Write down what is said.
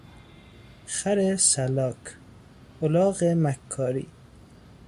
خر سلاک، الاغ مکاری